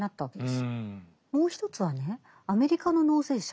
もう一つはねアメリカの納税者